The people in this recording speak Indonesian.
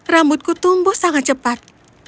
rambutku tumbuh sangat cepat